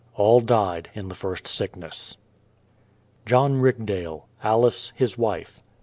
All died in the first sickness. JOHN RIGDALE; Alice, his wife. ^.>.